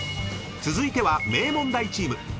［続いては名門大チーム］